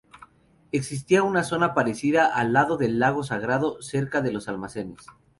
Existía una zona parecida al lado del lago sagrado, cerca de los almacenes.